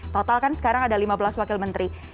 total kan sekarang ada lima belas wakil menteri